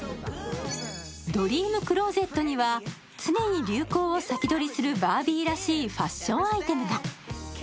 ドリームクローゼットには、常に流行を先取りするバービーらしいファッションアイテムが。